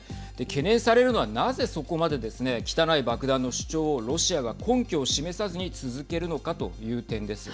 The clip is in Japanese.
懸念されるのはなぜそこまでですね汚い爆弾の主張をロシアが根拠を示さずに続けるのかという点です。